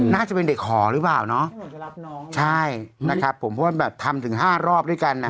น่าจะเป็นเด็กหอหรือเปล่าเนอะใช่นะครับผมเพราะว่าแบบทำถึงห้ารอบด้วยกันอ่ะ